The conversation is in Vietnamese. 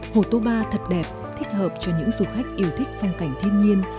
hồ toba thật đẹp thích hợp cho những du khách yêu thích phong cảnh thiên nhiên